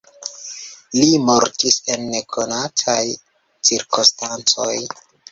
Li mortis en nekonataj cirkonstancoj.